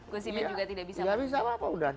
guzimin juga tidak bisa lakukan